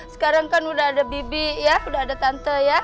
sekarang kan udah ada bibi ya udah ada tante ya